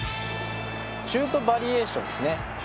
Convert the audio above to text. シュートバリエーションですね。